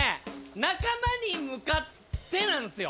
仲間に向かってなんですよ。